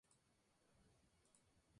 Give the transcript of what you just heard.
A diario escribe en su blog "Veterana B".